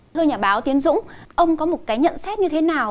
thưa nhà báo tiến dũng ông có một cái nhận xét như thế nào